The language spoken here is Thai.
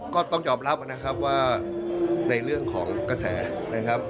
ก็ต้องยอมรับนะครับว่าในเรื่องของกระแสนะครับ